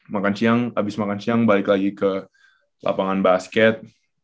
makan siang habis makan siang balik lagi ke lapangan basket